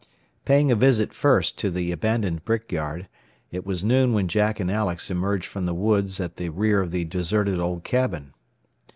Paying a visit first to the abandoned brick yard, it was noon when Jack and Alex emerged from the woods at the rear of the deserted old cabin.